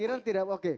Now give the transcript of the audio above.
pikiran tidak oke